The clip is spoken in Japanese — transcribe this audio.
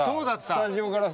スタジオからさ。